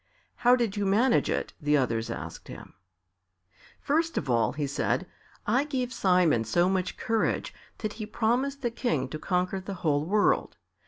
"How did you manage it?" the others asked him. "First of all," he said, "I gave Simon so much courage that he promised the King to conquer the whole world.